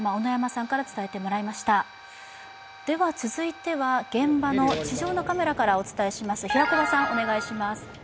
続いては現場の地上のカメラからお伝えします。